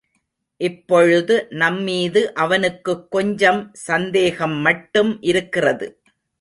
இப்பொழுது நம்மீது அவனுக்குக் கொஞ்சம் சந்தேகம் மட்டும் இருக்கிறது.